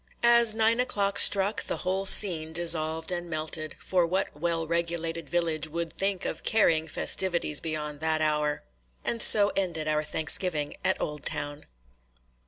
As nine o'clock struck, the whole scene dissolved and melted; for what well regulated village would think of carrying festivities beyond that hour? And so ended our Thanksgiving at Oldtown.